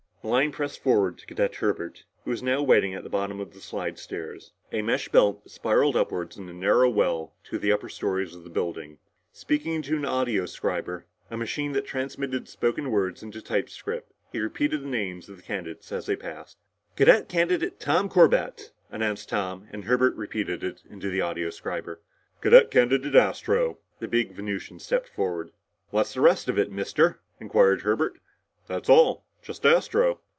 The line pressed forward to Cadet Herbert, who was now waiting at the bottom of the slidestairs, a mesh belt that spiraled upward in a narrow well to the upper stories of the building. Speaking into an audioscriber, a machine that transmitted his spoken words into typescript, he repeated the names of the candidates as they passed. "Cadet Candidate Tom Corbett," announced Tom, and Herbert repeated it into the audioscriber. "Cadet Candidate Astro!" The big Venusian stepped forward. "What's the rest of it, Mister?" inquired Herbert. "That's all. Just Astro."